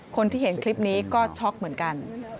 คนที่เห็นคลิปนี้ก็ช็อกเหมือนกัน